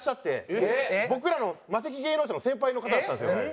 僕らのマセキ芸能社の先輩の方だったんですよ。